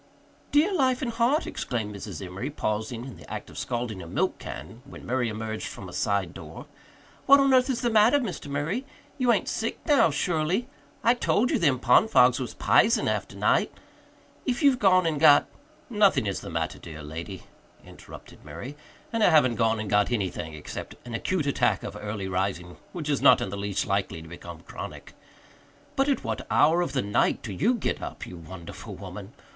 "Dear life and heart!" exclaimed Mrs. Emory, pausing in the act of scalding a milk can when Murray emerged from a side door. "What on earth is the matter, Mr. Murray? You ain't sick now, surely? I told you them pond fogs was p'isen after night! If you've gone and got " "Nothing is the matter, dear lady," interrupted Murray, "and I haven't gone and got anything except an acute attack of early rising which is not in the least likely to become chronic. But at what hour of the night do you get up, you wonderful woman?